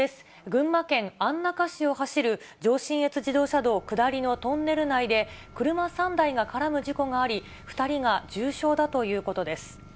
群馬県安中市を走る上信越自動車道下りのトンネル内で、車３台が絡む事故があり、２人が重傷だということです。